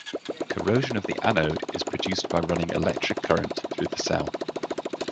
Corrosion of the anode is produced by running electric current through the cell.